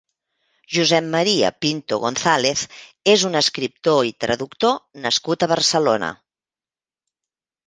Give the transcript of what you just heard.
Josep Maria Pinto Gonzàlez és un escriptor i traductor nascut a Barcelona.